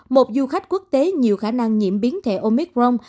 một du khách quốc tế nhiều khả năng nhiễm biến thể omicron